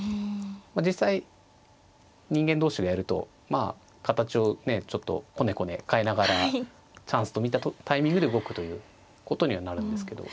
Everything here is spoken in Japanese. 実際人間同士がやるとまあ形をちょっとこねこね変えながらチャンスと見たタイミングで動くということにはなるんですけど。